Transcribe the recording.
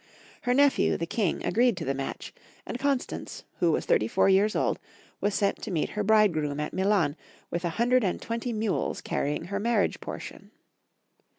Her nephew, the King, agreed to the match, and Constance, who was thirty four years old, was sent to meet her bride groom at MUan with a hundred and twenty mules carrying her marriage portion.